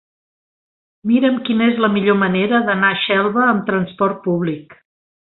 Mira'm quina és la millor manera d'anar a Xelva amb transport públic.